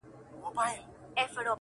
ماته شجره یې د نژاد او نصب مه راوړئ.